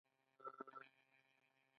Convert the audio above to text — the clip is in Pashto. هند له افغانستان سره مرسته کوي.